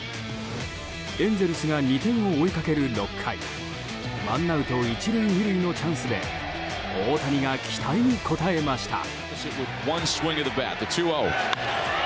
エンゼルスが２点を追いかける６回ワンアウト１塁２塁のチャンスで大谷が期待に応えました。